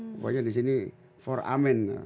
pokoknya disini for amen